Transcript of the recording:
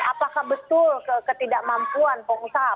apakah betul ketidakmampuan pengusaha